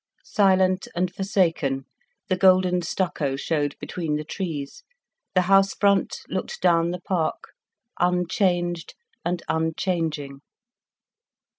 Silent and forsaken, the golden stucco showed between the trees, the house front looked down the park, unchanged and unchanging.